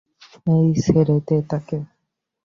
এই ছেড়ে দে তাকে!